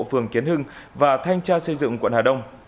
phường kiến hưng và thanh tra xây dựng quận hà đông